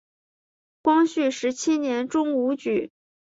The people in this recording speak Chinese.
光绪十七年中武举。